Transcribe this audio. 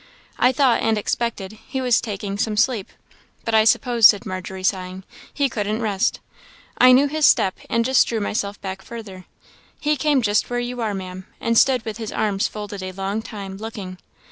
I thought, and expected, he was taking some sleep; but I suppose," said Margery, sighing, "he couldn't rest. I knew his step, and just drew myself back further. He came just where you are, Ma'am, and stood with his arms folded a long time, looking.